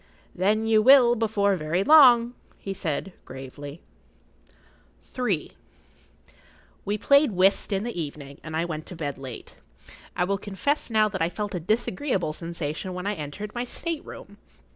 "Then you will before long," he said, very gravely. [Pg 36] III. We played whist in the evening, and I went to bed late. I will confess now that I felt a disagreeable sensation when I entered my state room.